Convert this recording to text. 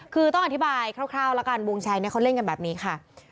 คือต้องอธิบายคร่าวแล้วกันวงแชร์นี้เขาเล่นกันแบบนี้ค่ะ